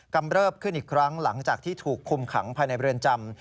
เริบขึ้นอีกครั้งหลังจากที่ถูกคุมขังภายในเรือนจำ